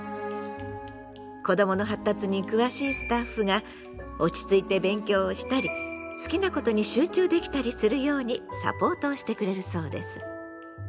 子どもの発達に詳しいスタッフが落ち着いて勉強をしたり好きなことに集中できたりするようにサポートをしてくれるそうです。